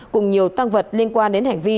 cùng nhiều tăng vật liên quan đến hành vi